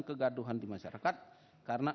kegaduhan di masyarakat karena